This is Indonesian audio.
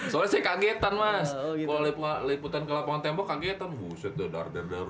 soalnya sih kagetan mas kalau liputan ke lapangan tembok kagetan buset dar dar dar dar